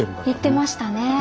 行ってましたね。